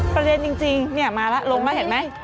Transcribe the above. ประเด็นจริงเนี่ยมาละลงมาเห็นไหม